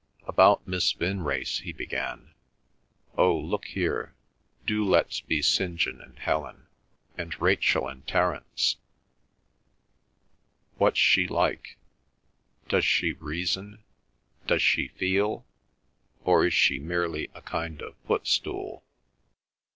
"About Miss Vinrace," he began,—"oh, look here, do let's be St. John and Helen, and Rachel and Terence—what's she like? Does she reason, does she feel, or is she merely a kind of footstool?"